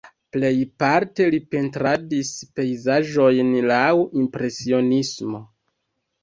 Plejparte li pentradis pejzaĝojn laŭ impresionismo.